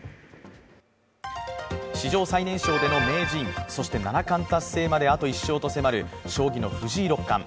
史上最年少での名人そして七冠達成まであと１勝と迫る将棋の藤井六冠。